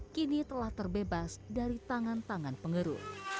kini telah terbebas dari tangan tangan pengeru